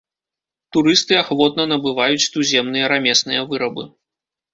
Турысты ахвотна набываюць туземныя рамесныя вырабы.